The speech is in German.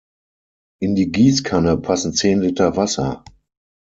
In die Gießkanne passen zehn Liter Wasser.